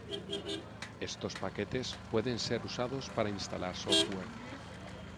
Estos paquetes pueden ser usados para instalar software.